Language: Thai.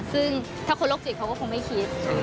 ซึ่งถ้าคนโรคจิตเขาก็คงไม่คิด